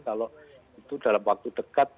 kalau itu dalam waktu dekat